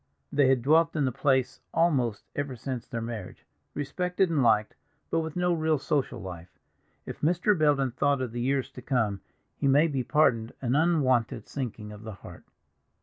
They had dwelt in the place almost ever since their marriage, respected and liked, but with no real social life. If Mr. Belden thought of the years to come, he may be pardoned an unwonted sinking of the heart.